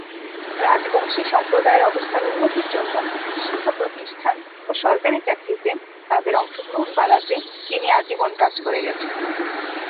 রাজবংশী সম্প্রদায়ের অবস্থার উন্নতির জন্য শিক্ষাপ্রতিষ্ঠান ও সরকারি চাকরিতে তাদের অংশগ্রহণ বাড়াতে তিনি আজীবন কাজ করে গেছেন।